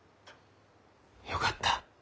よかった。